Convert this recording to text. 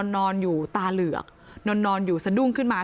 นอนอยู่ตาเหลือกนอนอยู่สะดุ้งขึ้นมา